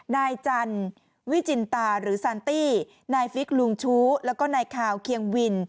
นายจันวิจินตาหรือซันตี้นายฟิกลุงชู้แล้วก็นายคาวเคียงวิน